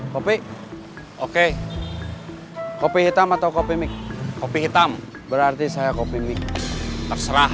kopi oke kopi hitam atau kopi mik kopi hitam berarti saya kopi mik terserah